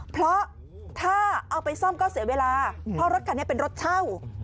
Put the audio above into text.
เพราะถ้าเอาไปซ่อมก็เสียเวลาเพราะรถคันนี้เป็นรถเช่า